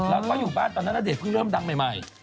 แล้วก็อยู่บ้านตอนนั้นณเดชเพิ่งเริ่มดังใหม่